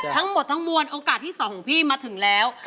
ทั้งหมดทั้งมวลโอกาสที่๒ของพี่มาถึงแล้ว